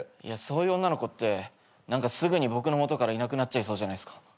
いやそういう女の子って何かすぐに僕のもとからいなくなっちゃいそうじゃないっすか。